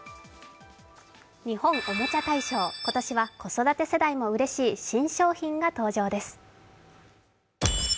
日本おもちゃ大賞、今年は子育て世代もうれしい新商品が登場です。